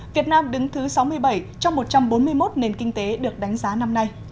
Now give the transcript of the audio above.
việt nam đứng thứ sáu mươi bảy trong một trăm bốn mươi một nền kinh tế được đánh giá năm nay